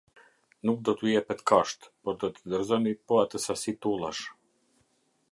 Nuk do t’ju jepet kashtë, por do të dorëzoni po atë sasi tullash".